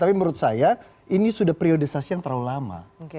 tapi menurut saya ini sudah priorisasi yang terlalu lama